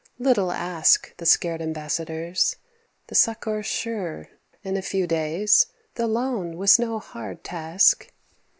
Little ask The scared ambassadors the succour sure, In a few days: the loan was no hard task.